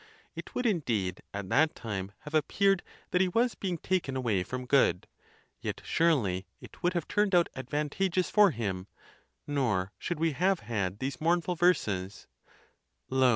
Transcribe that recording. It would indeed, at that time, have appeared that he was being taken away from good; yet surely it would have turned out advantageous for him; nor should we have had these mournful verses, Lo!